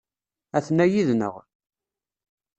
Aten-a yid-neɣ.